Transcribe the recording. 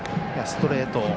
ストレート